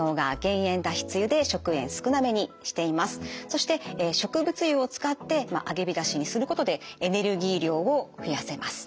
そして植物油を使って揚げびたしにすることでエネルギー量を増やせます。